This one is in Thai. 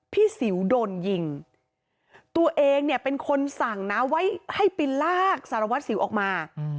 สิวโดนยิงตัวเองเนี่ยเป็นคนสั่งนะไว้ให้ไปลากสารวัตรสิวออกมา